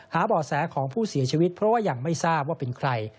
บ่อแสของผู้เสียชีวิตเพราะว่ายังไม่ทราบว่าเป็นใคร